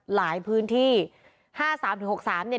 หลายพื้นที่ห้าสามถึงหกสามเนี่ย